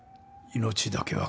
命だけは。